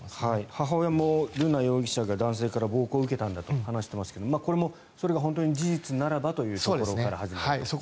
母親も瑠奈容疑者が男性から暴行を受けたんだと話していますがこれも本当に事実ならばということから始まりますね。